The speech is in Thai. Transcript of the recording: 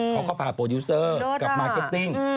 เขาก็พาโปรดิวเซอร์กับมาร์เก็ตติ้ง